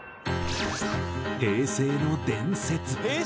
「“平成の伝説”。